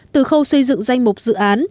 từ khâu xây dựng danh mục dự án